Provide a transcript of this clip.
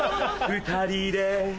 ２人で